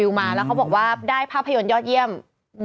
เป็นการกระตุ้นการไหลเวียนของเลือด